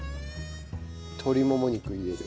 鶏もも肉入れる。